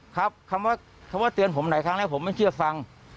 ครับคำว่าคำว่าเตือนผมหลายครั้งแล้วผมไม่เชื่อฟัง